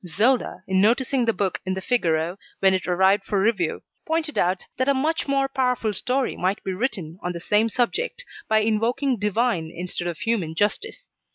Zola, in noticing the book in the "Figaro," when it arrived for review, pointed out that a much more powerful story might be written on the same subject by invoking divine instead of human justice.